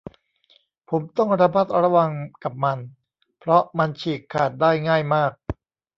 ผมต้องระมัดระวังกับมัน เพราะมันฉีกขาดได้ง่ายมาก